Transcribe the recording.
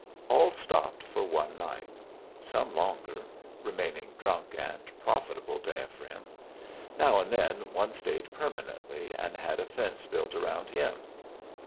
All stopped for one night; some longer, remaining drunk and profitable to Ephraim; now and then one stayed permanently, and had a fence built round him.